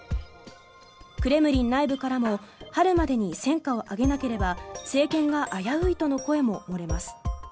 クレムリン内部からも春までに戦果を上げなければ政権が危ういとの声も漏れます。